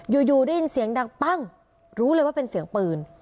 อยู่ได้ยินเสียงดังปั้งรู้เลยว่าเป็นเสียงปืน